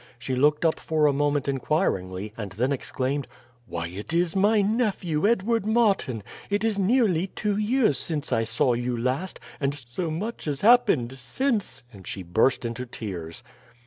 She looked up for a moment inquiringly, and then exclaimed: "Why, it is my nephew, Edward Martin! It is nearly two years since I saw you last, and so much has happened since;" and she burst into tears.